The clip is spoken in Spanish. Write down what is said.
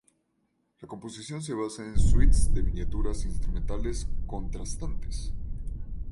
La composición se basa en suites de miniaturas instrumentales contrastantes.